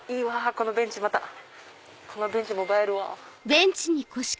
このベンチも映えるわ。